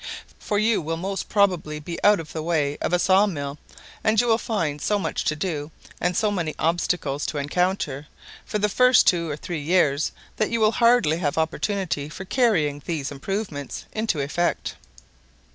"For you will most probably be out of the way of a saw mill, and you will find so much to do, and so many obstacles to encounter, for the first two or three years, that you will hardly have opportunity for carrying these improvements into effect.